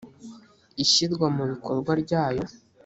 ishyirwa mu bikorwa ryayo